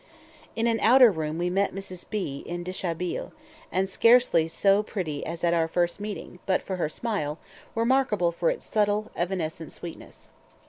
In an outer room we met Mrs. B en déshabillé, and scarcely so pretty as at our first meeting, but for her smile, remarkable for its subtile, evanescent sweetness.